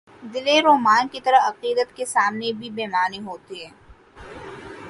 دلیل رومان کی طرح، عقیدت کے سامنے بھی بے معنی ہو تی ہے۔